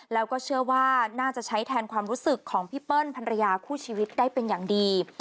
แล้วก็เชื่อว่าน่าจะใช้แทนความรู้สึกของพี่เปิ้ลภรรยาคู่ชีวิตได้เป็นอย่างดี